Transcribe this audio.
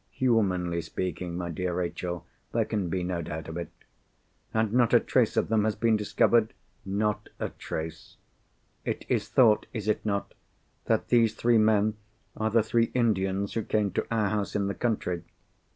"Humanly speaking, my dear Rachel, there can be no doubt of it." "And not a trace of them has been discovered?" "Not a trace." "It is thought—is it not?—that these three men are the three Indians who came to our house in the country."